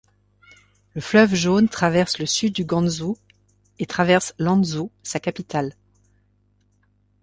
Le fleuve Jaune traverse le sud du Gansu et traverse Lanzhou, sa capitale.